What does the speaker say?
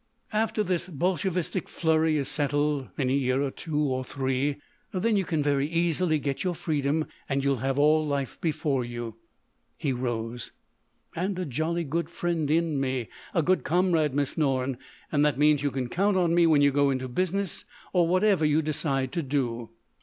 "After this Bolshevistic flurry is settled—in a year or two—or three—then you can very easily get your freedom; and you'll have all life before you" ... he rose: "—and a jolly good friend in me—a good comrade, Miss Norne. And that means you can count on me when you go into business—or whatever you decide to do."